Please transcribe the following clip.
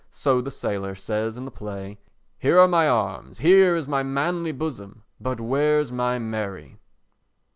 So the sailor says in the play: "Here are my arms, here is my manly bosom, but where's my Mary?"